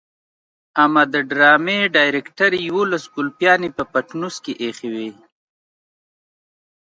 اما د ډرامې ډايرکټر يوولس ګلپيانې په پټنوس کې ايښې وي.